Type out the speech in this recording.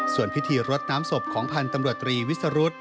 ส่วนพิธีรดน้ำศพของพันธ์ตำรวจตรีวิสรุธ